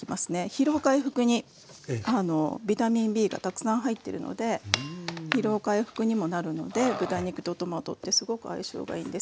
疲労回復にビタミンＢがたくさん入ってるので疲労回復にもなるので豚肉とトマトってすごく相性がいいんですよ。